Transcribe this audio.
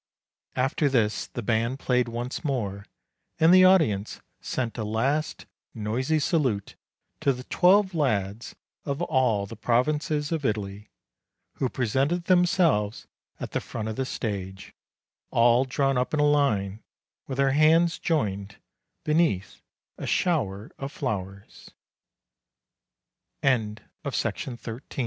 After this, the band played once more, and the audience sent a last noisy salute to the twelve lads of all the provinces of Italy, who presented themselves at the front of the stage, all drawn up in line, with their hands joined,